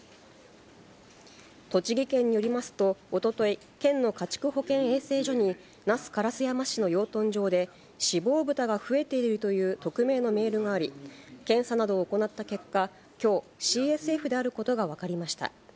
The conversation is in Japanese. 栃木県によりますと、おととい、県の家畜保健衛生所に、那須烏山市の養豚場で死亡豚が増えているという匿名のメールがあり、検査などを行った結果、きょう、ＣＳＦであることが分かりました。